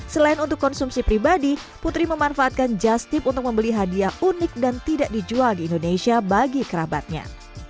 selain untuk konsumsi pribadi putri memanfaatkan justip untuk membeli hadiah unik dan tidak dijual di indonesia bagi kerabatnya